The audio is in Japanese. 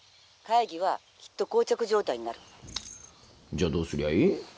じゃあどうすりゃいい？